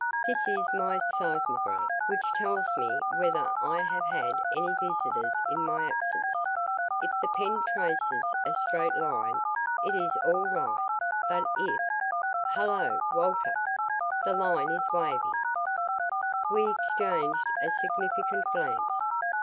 "This is my seismograph which tells me whether I have had any visitors in my absence. If the pen traces a straight line, it is, all right; but if hello Walter, the line is wavy." We exchanged a significant glance.